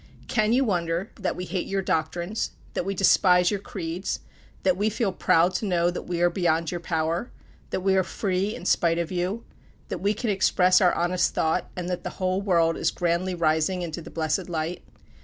Can you wonder that we hate your doctrines that we despise your creeds that we feel proud to know that we are beyond your power that we are free in spite of you that we can express our honest thought, and that the whole world is grandly rising into the blessed light?